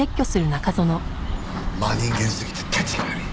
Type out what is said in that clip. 真人間すぎてたちが悪い。